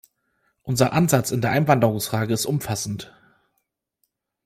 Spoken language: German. Unser Ansatz in der Einwanderungsfrage ist umfassend.